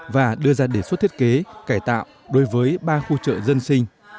và đưa ra đề xuất thiết kế cải tạo đối với ba khu chợ dân sinh